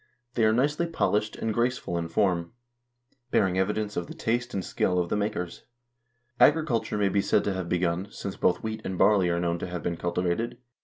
They are nicely polished and graceful in form, bearing evidence of the taste and skill of the makers. Agriculture may be said to have begun, since both wheat and barley are known to have been culti vated.